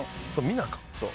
そう。